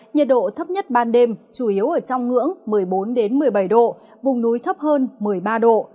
nhiệt độ thấp nhất ban đêm chủ yếu ở trong ngưỡng một mươi bốn một mươi bảy độ vùng núi thấp hơn một mươi ba độ